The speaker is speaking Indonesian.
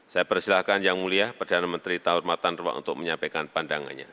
saya persilahkan yang mulia perdana menteri tahur matanruwa untuk menyampaikan pandangannya